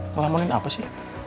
melamunin apa sih